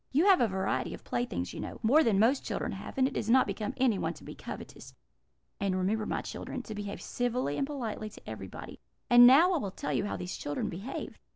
You have a variety of playthings, you know more than most children have, and it does not become anyone to be covetous. And remember, my dear children, to behave civilly and politely to everybody.' "And now I will tell you how these children behaved.